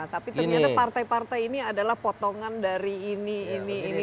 tapi ternyata partai partai ini adalah potongan dari ini ini